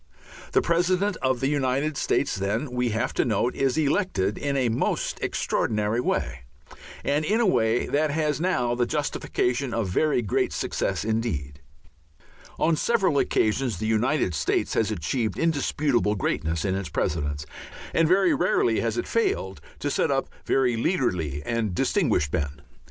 The President of the United States, then, we have to note, is elected in a most extraordinary way, and in a way that has now the justification of very great successes indeed. On several occasions the United States has achieved indisputable greatness in its Presidents, and very rarely has it failed to set up very leaderly and distinguished men.